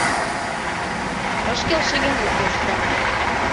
Ыш келше гын, ит вурсо.